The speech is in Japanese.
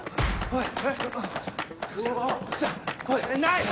はい。